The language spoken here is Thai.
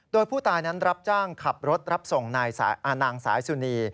โดยผู้ตายนั้นรับจ้างขับรถรับส่งนางสายสุนี